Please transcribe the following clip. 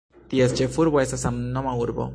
Ties ĉefurbo estas samnoma urbo.